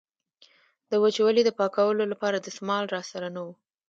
د وچولې د پاکولو لپاره دستمال را سره نه و.